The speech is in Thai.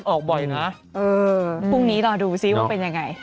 ออกบ่อยนะเออพรุ่งนี้รอดูซิว่าเป็นยังไง